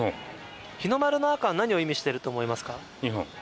日の丸の赤は何を意味してると思いますか？